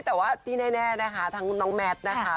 แต่ว่าที่แน่นะคะทั้งน้องแมทนะคะ